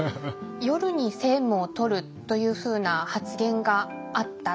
夜に政務をとるというふうな発言があった。